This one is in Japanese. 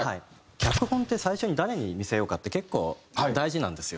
脚本って最初に誰に見せようかって結構大事なんですよ。